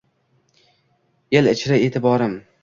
El ichra etiborim